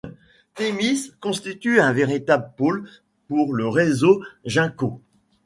Témis constitue un véritable pôle pour le réseau Ginko.